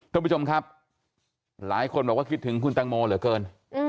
ท่านผู้ชมครับหลายคนบอกว่าคิดถึงคุณตังโมเหลือเกิน